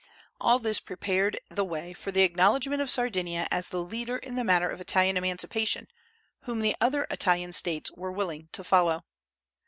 All this prepared the way for the acknowledgment of Sardinia as the leader in the matter of Italian emancipation, whom the other Italian States were willing to follow.